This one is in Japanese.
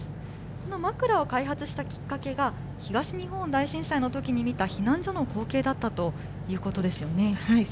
この枕を開発したきっかけが、東日本大震災のときに見た避難所の光景だったということですよね。